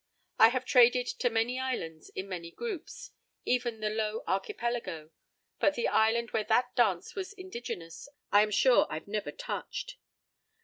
I have traded to many islands in many groups—even the Low Archipelago—but the island where that dance was indigenous I am sure I've never touched.